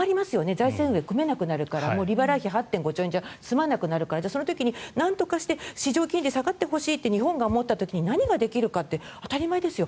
財政運営組めなくなるから利払い費８．５兆円じゃ済まなくなるからその時になんとかして市場金利が下がってほしいと日本が思った時に何ができるかって当たり前ですよ